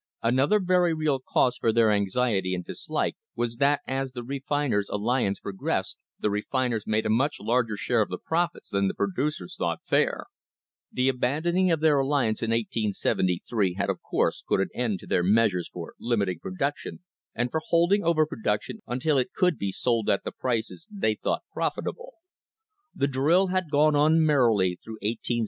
Another very real cause for their anxiety and dislike was that as the refiners' alliance progressed the refiners made a much larger share of the profits than the producers thought fair. The abandoning of their alliance in 1873 had of course put an end to their measures for limiting production and for hold ing over production until it could be sold at the prices they THE HISTORY OF THE STANDARD OIL COMPANY thought profitable.